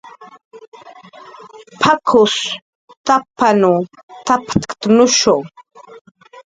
"p""ak""us tapanw tapt'anushu "